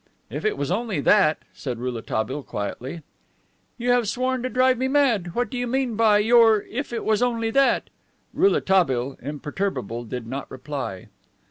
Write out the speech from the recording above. "If it was only that!" said Rouletabille quietly. "You have sworn to drive me mad! What do you mean by your 'if it was only that'?" Rouletabille, imperturbable, did not reply.